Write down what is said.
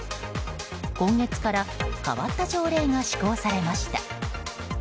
今月から変わった条例が施行されました。